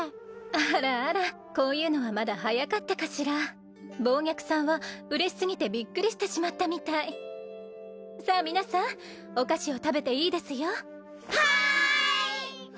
あらあらこういうのはまだ早かったかしら暴虐さんは嬉しすぎてびっくりしてしまったみたいさあ皆さんお菓子を食べていいですよはーい！